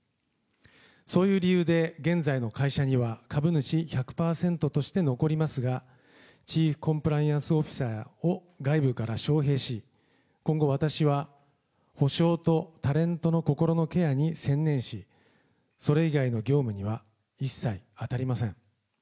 そういう理由で、現在の会社には株主１００％として残りますが、チーフコンプライアンスオフィサーを外部から招へいし、今後私は補償とタレントの心のケアに専念し、それ以外の業務には一切当たりません。